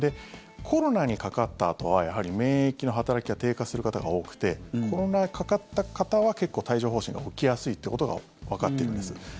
コロナにかかったあとは免疫の働きが低下する方が多くてコロナにかかった方は結構、帯状疱疹が起きやすいということがわかってるんです。